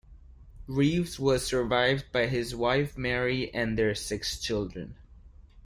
Reeves was survived by his wife Mary and their six children.